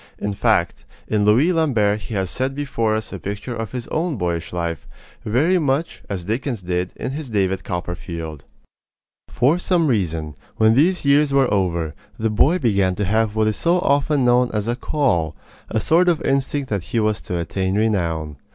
In fact, in Louis Lambert he has set before us a picture of his own boyish life, very much as Dickens did of his in David Copperfield. For some reason, when these years were over, the boy began to have what is so often known as "a call" a sort of instinct that he was to attain renown.